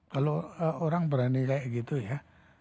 kalau orang berani kayak gitu ya